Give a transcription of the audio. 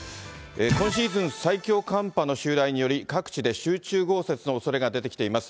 今シーズン最強寒波の襲来により、各地で集中豪雪のおそれが出てきています。